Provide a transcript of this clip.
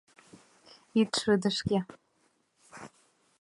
Ит шыдешке.